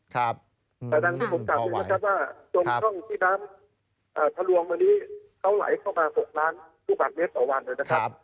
แต่นางที่ผมการคิดว่าจนท่องที่น้ำทะลวงวันนี้เขาไหลเข้ามา๖ล้านลูกบาทเมตรต่อวันเลยนะครับ